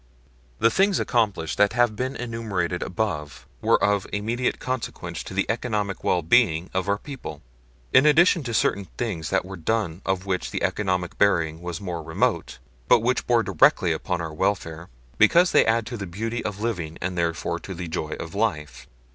The things accomplished that have been enumerated above were of immediate consequence to the economic well being of our people. In addition certain things were done of which the economic bearing was more remote, but which bore directly upon our welfare, because they add to the beauty of living and therefore to the joy of life.